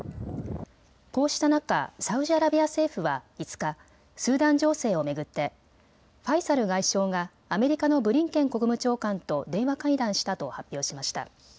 こうした中サウジアラビア政府は５日、スーダン情勢を巡ってファイサル外相がアメリカのブリンケン国務長官と電話会談したと発表しました。